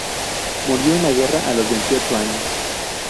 Murió en la guerra a los veintiocho años.